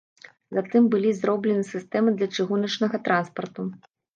Затым былі зроблены сістэмы для чыгуначнага транспарту.